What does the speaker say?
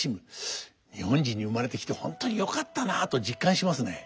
日本人に生まれてきて本当によかったなと実感しますね。